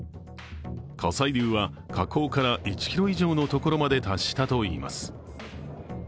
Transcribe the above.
火砕流は火口から１ｋｍ以上のところまで達したといいます。